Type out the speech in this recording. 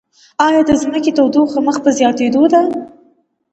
ایا د ځمکې تودوخه مخ په زیاتیدو ده؟